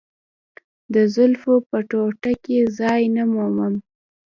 د زلفو په ټوټه کې ځای نه مومم.